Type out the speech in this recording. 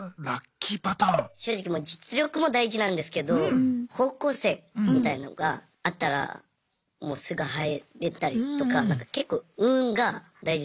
正直実力も大事なんですけど方向性みたいのが合ったらもうすぐ入れたりとか結構運が大事だと思います。